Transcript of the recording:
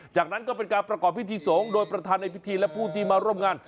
จากนั้นก็เป็นการประกอบพิธีสงฆ์โดยประธานในพิธีและผู้ที่มาร่วมงาน